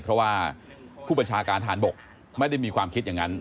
เพราะว่าผู้บัญชาการฐานบกไม่ได้มีความคิดอย่างนั้น